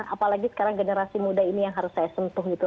apalagi sekarang generasi muda ini yang harus saya sentuh gitu